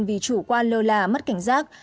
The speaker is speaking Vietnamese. vì chủ quan lơ la mất cảnh giác